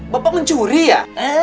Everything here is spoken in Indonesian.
bapak mencuri ya